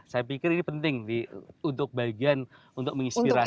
saya pikir ini penting untuk bagian untuk menginspirasi